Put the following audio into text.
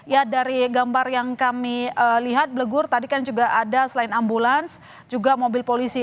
ya dari gambar yang kami lihat blegur tadi kan juga ada selain ambulans juga mobil polisi